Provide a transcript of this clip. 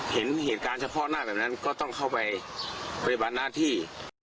เห็นเหตุการณ์เฉพาะหน้าแบบนั้นก็ต้องเข้าไปปฏิบัติหน้าที่